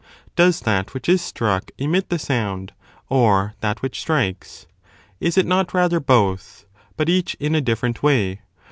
Does that which is struck emit the sound or that which strikes? 7 Is it not rather both, but each in a different way?